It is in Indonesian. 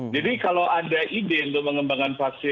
jadi kalau ada ide untuk mengembangkan vaksin ini